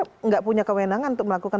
tidak punya kewenangan untuk melakukan